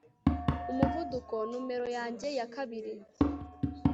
Umuvuduko numero yanjye ya kabiri